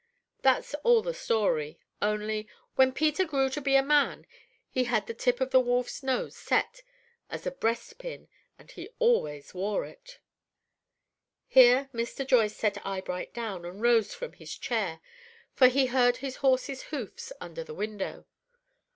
That's all the story, only, when Peter grew to be a man, he had the tip of the wolf's nose set as a breast pin, and he always wore it." Here Mr. Joyce set Eyebright down, and rose from his chair, for he heard his horse's hoofs under the window.